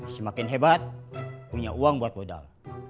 semakin hebat punya uang buat modal